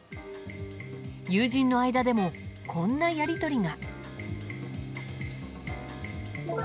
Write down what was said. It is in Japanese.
友人の間でも、こんなやり取りが。